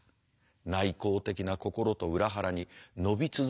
内向的な心と裏腹に伸び続けていく身の丈。